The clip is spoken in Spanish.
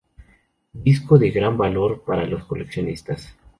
Disco de gran valor para los coleccionistas.